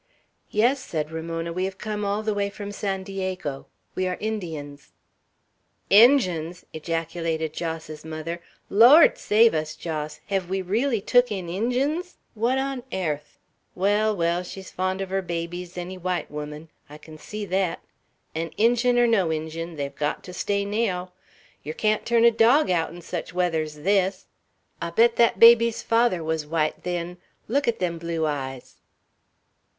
"Yes," said Ramona. "We have come all the way from San Diego. We are Indians." "Injuns!" ejaculated Jos's mother. "Lord save us, Jos! Hev we reelly took in Injuns? What on airth Well, well, she's fond uv her baby's enny white woman! I kin see thet; an', Injun or no Injun, they've got to stay naow. Yer couldn't turn a dog out 'n sech weather's this. I bet thet baby's father wuz white, then. Look at them blue eyes."